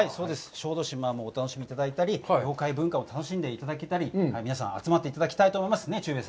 小豆島もお楽しみいただいたり、妖怪文化を楽しんでいただけたり、皆さん、集まっていただきたいと思います。ねぇ？